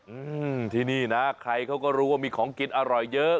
อืมที่นี่นะใครเขาก็รู้ว่ามีของกินอร่อยเยอะ